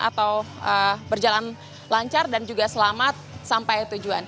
atau berjalan lancar dan juga selamat sampai tujuan